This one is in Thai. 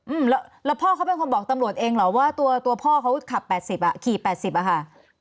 อืมแล้วพ่อเขาเป็นคนบอกตำรวจเองเหรอว่าตัวพ่อเขาขับ๘๐อ่ะขี่๘๐อ่ะค่ะ